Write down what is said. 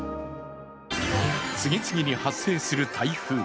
次々に発生する台風。